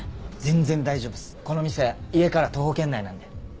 全然大丈夫っすこの店家から徒歩圏内なんで。